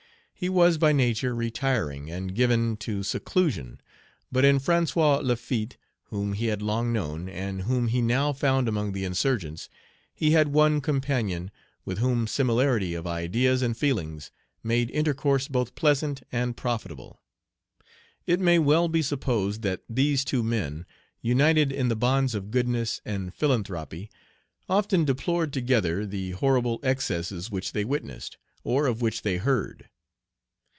He was by nature retiring and given to seclusion, but in François Lafitte, whom he had long known, and whom he now found among the insurgents, he had one companion with whom similarity of ideas and feelings made intercourse both pleasant and profitable. It may well be supposed that these two men, united in the bonds of goodness and philanthropy, often deplored together the horrible excesses which they witnessed, or of which they heard.